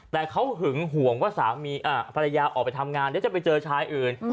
แต่เขาหึงห่วงว่าสามีภรรยาออกไปทำงานเดี๋ยวจะไปเจอชายอื่น